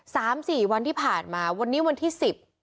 สามสี่วันที่ผ่านมาวันนี้วันที่สิบ